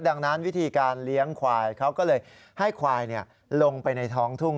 ดังนั้นวิธีการเลี้ยงควายเขาก็เลยให้ควายลงไปในท้องทุ่ง